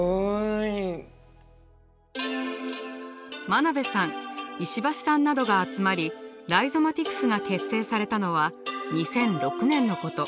真鍋さん石橋さんなどが集まりライゾマティクスが結成されたのは２００６年のこと。